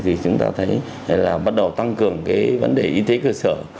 thì chúng ta thấy là bắt đầu tăng cường cái vấn đề y tế cơ sở